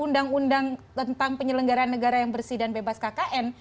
undang undang tentang penyelenggaraan negara yang bersih dan bebas kkn